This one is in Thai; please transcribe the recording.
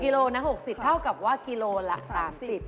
โลนะ๖๐เท่ากับว่ากิโลละ๓๐บาท